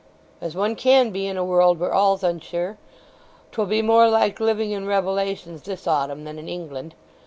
"As one can be in a world where all's unsure. 'Twill be more like living in Revelations this autumn than in England.